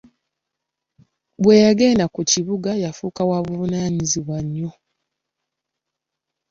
Bwe yagenda ku kibuga yafuuka wa buvunaanyizibwa nnyo.